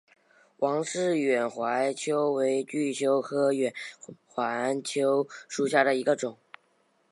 王氏远环蚓为巨蚓科远环蚓属下的一个种。